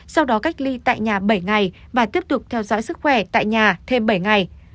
sau đó cách ly tại nhà bảy ngày và tiếp tục theo dõi sức khỏe tại nhà thêm bảy ngày